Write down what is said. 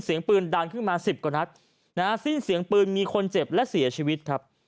เสียงปืนดังขึ้นมาสิบกว่านัดนะฮะสิ้นเสียงปืนมีคนเจ็บและเสียชีวิตครับ